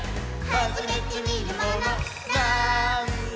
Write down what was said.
「はじめてみるものなぁーんだ？